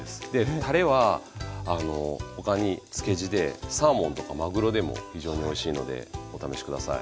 たれはあの他に漬け地でサーモンとかまぐろでも非常においしいのでお試し下さい。